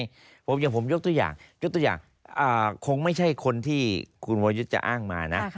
อย่างผมยกตัวอย่างยกตัวอย่างคงไม่ใช่คนที่คุณวรยุทธ์จะอ้างมานะ